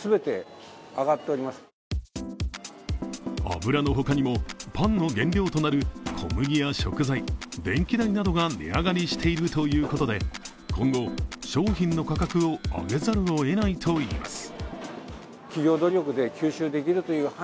油の他にもパンの原料となる小麦や食材電気代などが値上がりしているということで今後、商品の価格を上げざるをえないといいます。